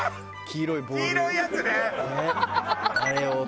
黄色いやつね！